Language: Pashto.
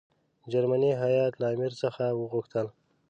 جرمني هیات له امیر څخه وغوښتل.